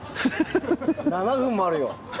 ７分もあるよ。